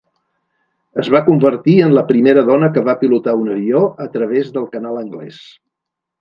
Es va convertir en la primera dona que va pilotar un avió a través del Canal Anglès.